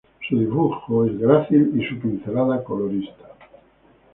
Su dibujo es grácil y su pincelada colorista.